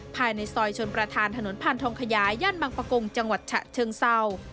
ภายในซอยชนประธานถนนพานทองขยายย่านบางประกงจังหวัดฉะเชิงเศร้า